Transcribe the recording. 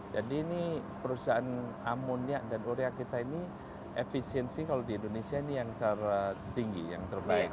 jadi ini perusahaan amoniak dan urea kita ini efisiensi kalau di indonesia ini yang tertinggi yang terbaik